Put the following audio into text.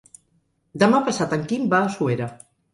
Demà passat en Quim va a Suera.